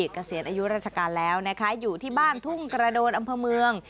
เกษียณอายุราชการแล้วนะคะอยู่ที่บ้านทุ่งกระโดนอำเภอเมือง